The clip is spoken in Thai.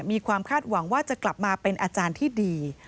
มีความคาดหวังว่าจะกลับมาเป็นอาจารย์ที่ดี